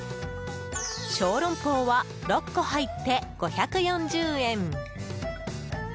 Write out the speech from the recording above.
小龍包は６個入って５４０円。